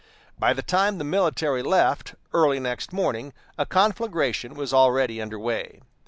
By the time the military left, early next morning, a conflagration was already under way.